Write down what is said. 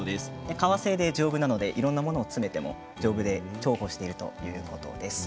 革製で丈夫なのでいろんなものを詰めても重宝しているということです。